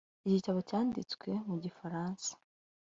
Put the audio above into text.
iki gitabo cyanditswe mu gifaransa.